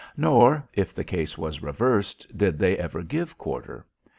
Nor, if the case was reversed, did they ever give quarter.